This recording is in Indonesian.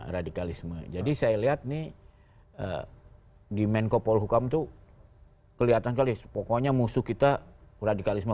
radikalisme jadi saya lihat nih di menko polhukam tuh kelihatan kalis pokoknya musuh kita radikalisme